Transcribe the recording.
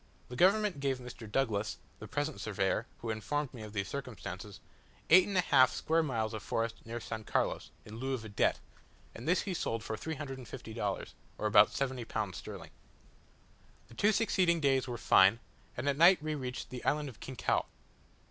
The government gave Mr. Douglas (the present surveyor, who informed me of these circumstances) eight and a half square miles of forest near S. Carlos, in lieu of a debt; and this he sold for 350 dollars, or about 70 pounds sterling. The two succeeding days were fine, and at night we reached the island of Quinchao.